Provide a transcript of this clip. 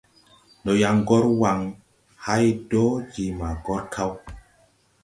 Ndɔ yaŋ gɔr Waŋ hay dɔɔ je maa gɔr kaw.